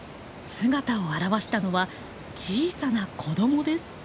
姿を現したのは小さな子どもです。